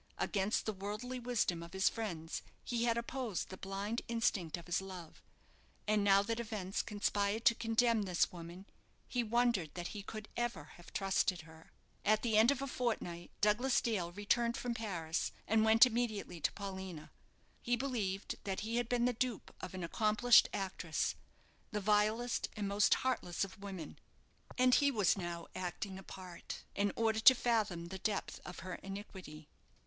Against the worldly wisdom of his friends he had opposed the blind instinct of his love; and now that events conspired to condemn this woman, he wondered that he could ever have trusted her. At the end of a fortnight Douglas Dale returned from Paris, and went immediately to Paulina. He believed that he had been the dupe of an accomplished actress the vilest and most heartless of women and he was now acting a part, in order to fathom the depth of her iniquity.